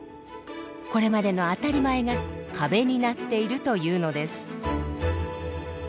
これまでの“あたりまえ”が壁になっているというのです。